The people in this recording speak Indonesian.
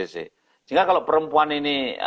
sehingga kalau perempuan ini